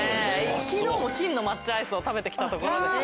昨日も金の抹茶アイスを食べて来たところです。